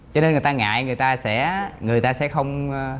cho nên người ta ngại người ta sẽ người ta sẽ không